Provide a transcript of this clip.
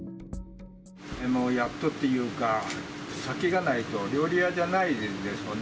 もうやっとっていうか、酒がないと、料理屋じゃないですもんね。